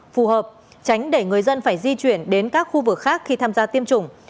phù hợp tránh để người dân phải di chuyển đến các khu vực khác khi tham gia tiêm chủng